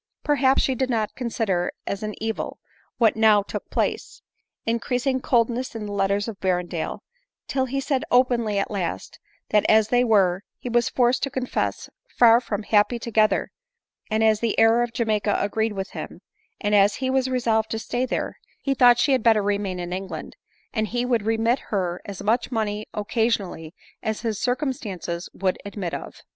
Perhaps she did not consider as an evil what now took place ; increasing coldness in the letters of Berren dale, till he said openly at last, that as they were, he was forced to confess, far from happy together, and as the « A 1 234 ADELINE MOWBRAY. air of Jamiaca agreed with him, and as he was resolved to stay there, he thought she had better remain in Eng land, and he would remit her as much money occasional ly as his circumstances would admit of..